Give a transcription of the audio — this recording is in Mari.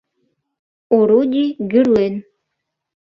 Орудий гӱрлен.